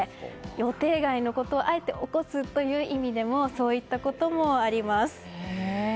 予定外のことをあえて起こすという意味でもそういったこともあります。